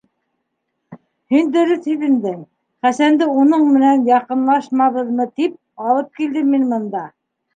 Һин дөрөҫ һиҙендең, Хәсәнде уның менән яҡынлашмабыҙмы, тип алып килдем мин бында.